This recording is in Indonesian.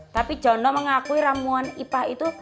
tapi jondo mengakui ramuan itu